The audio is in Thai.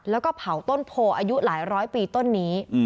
แล้วก็เผาต้นโพอายุหลายร้อยปีต้นนี้